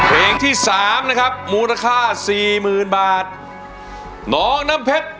ร้องได้ร้องได้ร้องได้